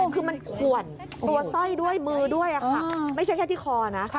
คือมันขวนตัวสร้อยด้วยมือด้วยค่ะไม่ใช่แค่ที่คอนะ